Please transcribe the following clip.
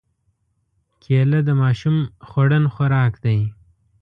کېله د ماشوم خوړن خوراک دی.